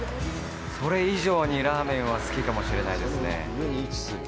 それ以上にラーメンは好きかもしれないですね。